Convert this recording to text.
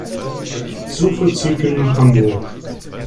Suche Züge nach Hamburg.